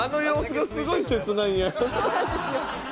そうなんですよ。